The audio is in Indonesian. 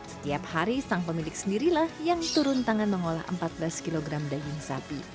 setiap hari sang pemilik sendirilah yang turun tangan mengolah empat belas kg daging sapi